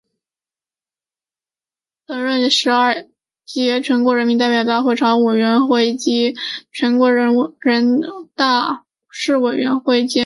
曾任第十二届全国人民代表大会常务委员会委员兼全国人大外事委员会主任委员。